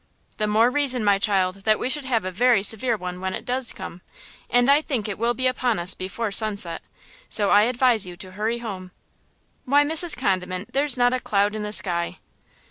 "The more reason, my child, that we should have a very severe one when it does come, and I think it will be upon us before sunset; so I advise you to hurry home." "Why , Mrs. Condiment, there's not a cloud in the sky."